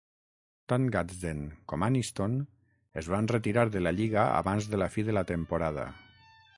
Tant Gadsden com Anniston es van retirar de la lliga abans de la fi de la temporada.